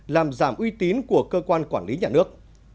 làm giảm uy tín của cơ quan quản lý nhà nước